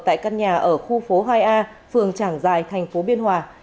tại căn nhà ở khu phố hai a phường trảng dài tp biên hòa